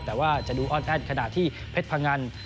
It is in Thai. แต่ว่าจะดูอ้อนแอ้นขณะที่เพชรพงัน